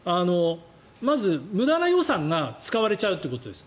まず、無駄な予算が使われちゃうということです。